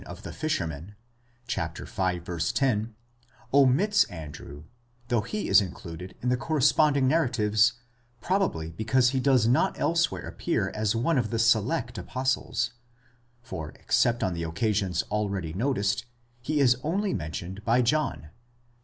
10), omits Andrew, though he is included in the corresponding narratives, probably because he does not elsewhere appear as one of the select apostles ; for except on the occasions already noticed, he is only men tioned by John (vi.